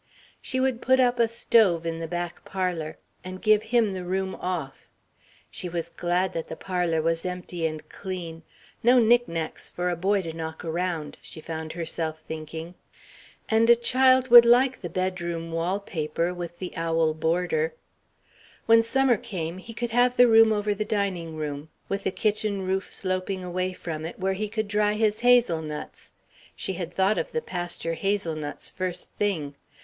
She would put up a stove in the back parlour, and give him the room "off." She was glad that the parlour was empty and clean "no knick knacks for a boy to knock around," she found herself thinking. And a child would like the bedroom wallpaper, with the owl border. When Summer came he could have the room over the dining room, with the kitchen roof sloping away from it where he could dry his hazelnuts she had thought of the pasture hazelnuts, first thing.